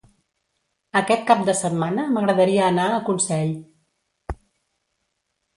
Aquest cap de setmana m'agradaria anar a Consell.